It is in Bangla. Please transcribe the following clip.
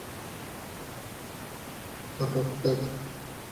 ধন্যবাদ, শাদা।